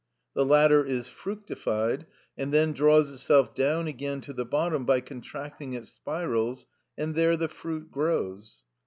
The latter is fructified, and then draws itself down again to the bottom by contracting its spirals, and there the fruit grows.